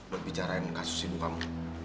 biar bicarain kasus hidup kamu